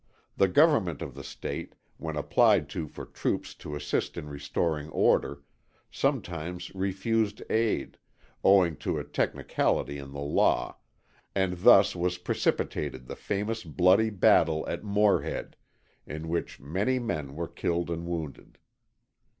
The government of the State, when applied to for troops to assist in restoring order, sometimes refused aid, owing to a technicality in the law, and thus was precipitated the famous bloody battle at Morehead, in which many men were killed and wounded.